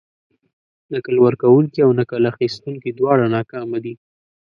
نکل ورکونکي او نکل اخيستونکي دواړه ناکامه دي.